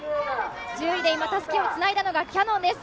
１０位で今、たすきをつないだのはキヤノンです。